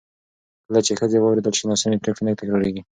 کله چې ښځې واورېدل شي، ناسمې پرېکړې نه تکرارېږي.